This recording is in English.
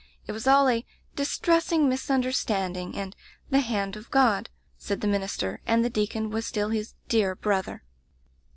It was all a 'distressing misunder standing' and 'the hand of God/ said the minister, and the deacon was still his 'dear brother.'